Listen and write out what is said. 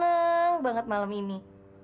senang banget malam ini